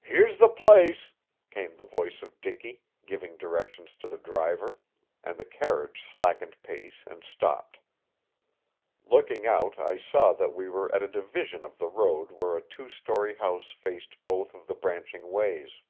"Here's the place," came the voice of Dicky, giving directions to the driver; and the carriage slackened pace and stopped. Looking out I saw that we were at a division of the road where a two story house faced both of the branching ways.